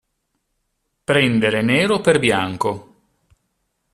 Prendere nero per bianco.